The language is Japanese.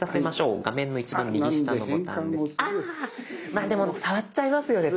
まあでも触っちゃいますよね。